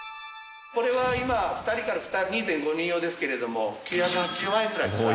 これは今２人から２．５人用ですけれども９８０万円くらいから。